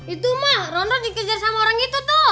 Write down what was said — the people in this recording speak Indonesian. itu mak ronron dikejar sama orang itu tuh